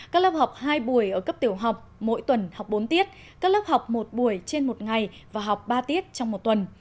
các lớp học hai buổi ở cấp tiểu học mỗi tuần học bốn tiết các lớp học một buổi trên một ngày và học ba tiết trong một tuần